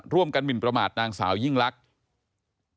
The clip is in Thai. ร่วมกันบินประมาทนางสาวยิ่งลักษณ์